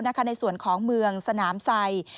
ในส่วนของเมืองสนามไซ